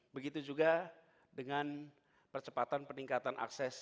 begitu juga dengan percepatan peningkatan akses